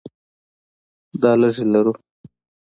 دا لږې لرو.